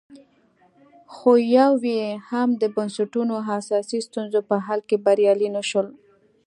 خو یو یې هم د بنسټونو اساسي ستونزو په حل کې بریالي نه شول